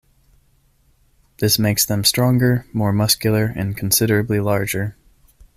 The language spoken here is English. This makes them stronger, more muscular and considerably larger.